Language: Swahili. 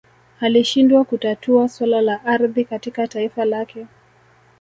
Alishindwa kutatua swala la ardhi katika taifa lake